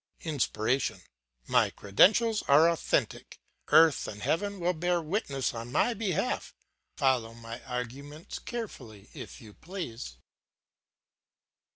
"INSPIRATION: My credentials are authentic, earth and heaven will bear witness on my behalf. Follow my arguments carefully, if you please.